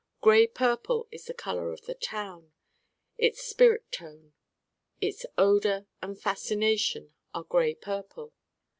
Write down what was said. Gray purple is the color of the town, its spirit tone. Its odor and fascination are gray purple.